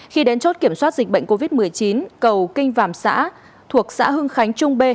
khi đến chốt kiểm soát dịch bệnh covid một mươi chín cầu kinh vàm xã thuộc xã hưng khánh trung b